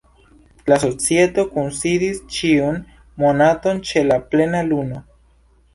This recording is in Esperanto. La Societo kunsidis ĉiun monaton ĉe la plena luno.